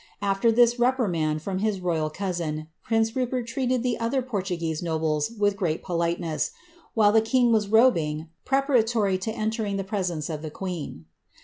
Af\er this reprimand from his roya« cousin, prince Rupert treated the other Portuguese nobles with great politeness, while the king was robing, preparatory to entering the pre sence of the queen.'